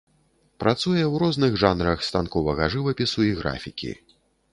Працуе ў розных жанрах станковага жывапісу і графікі.